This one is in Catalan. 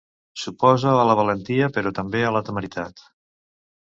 S'oposa a la valentia però també a la temeritat.